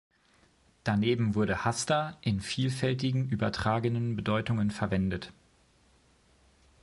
Daneben wurde „hasta“ in vielfältigen übertragenen Bedeutungen verwendet.